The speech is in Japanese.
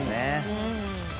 うん。